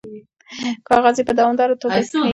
کاغۍ په دوامداره توګه کغیږي.